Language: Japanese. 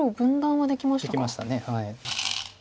できました。